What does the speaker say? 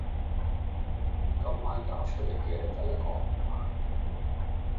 今晚攪出黎嘅第一個號碼係